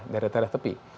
dari darah tepi